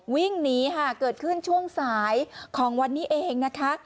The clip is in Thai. วิ่งหนีค่ะเกิดขึ้นช่วงสายของวันนี้เองนะคะ